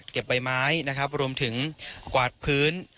ใบไม้นะครับรวมถึงกวาดพื้น